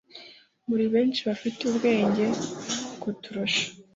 muri benshi bafite ubwenge kuturusha